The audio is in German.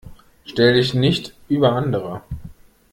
Stell dich nicht über andere.